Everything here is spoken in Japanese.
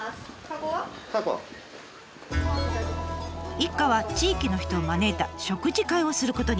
一家は地域の人を招いた食事会をすることに。